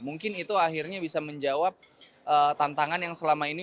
mungkin itu akhirnya bisa menjawab tantangan yang selama ini